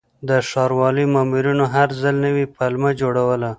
د ښاروالۍ مامورینو هر ځل نوې پلمه جوړوله.